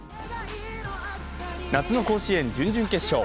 夏の甲子園、準々決勝。